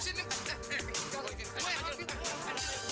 ini kita bobokeh enggak